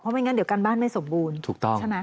เพราะไม่งั้นเดี๋ยวการบ้านไม่สมบูรณ์ถูกต้อง